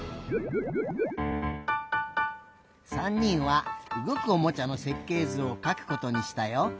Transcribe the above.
３にんはうごくおもちゃのせっけいずをかくことにしたよ。